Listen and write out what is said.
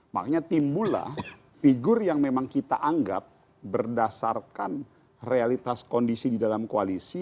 makanya timbullah figur yang memang kita anggap berdasarkan realitas kondisi di dalam koalisi